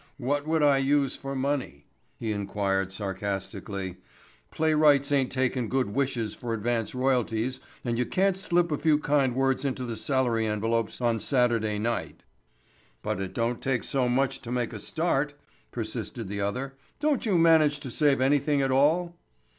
"What would I use for money?" he inquired sarcastically. "Playwrights ain't takin' good wishes for advance royalties and you can't slip a few kind words into the salary envelopes on Saturday night." "But it don't take so much to make a start," persisted the other. "Don't you manage to save anything at all?"